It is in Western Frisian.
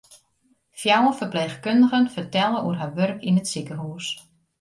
Fjouwer ferpleechkundigen fertelle oer har wurk yn it sikehûs.